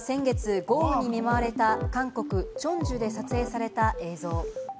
これは先月、豪雨に見舞われた韓国・チョンジュで撮影された映像。